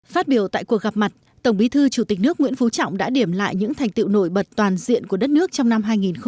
phát biểu tại cuộc gặp mặt tổng bí thư chủ tịch nước nguyễn phú trọng đã điểm lại những thành tiệu nổi bật toàn diện của đất nước trong năm hai nghìn một mươi chín